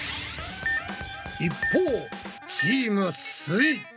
一方チームすイ。